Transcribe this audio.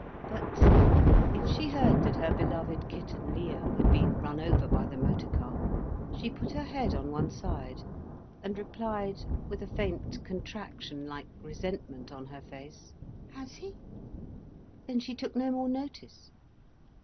But if she heard that her beloved kitten Leo had been run over by the motor car she put her head on one side, and replied, with a faint contraction like resentment on her face: "Has he?" Then she took no more notice.